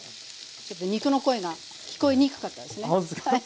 ちょっと肉の声が聞こえにくかったですね。